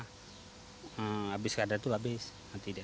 habis kadar itu habis mati dia